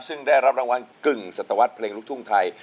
ซึ่งได้รับรางวัลกึ่งสัตวรรษเพลงลูกทุ่งไทย